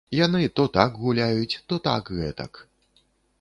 Яны то так гуляюць, то так гэтак.